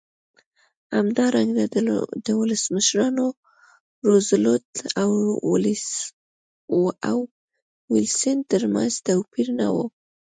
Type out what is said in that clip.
همدارنګه د ولسمشرانو روزولټ او ویلسن ترمنځ توپیر نه و.